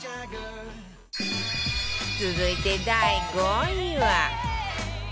続いて第５位は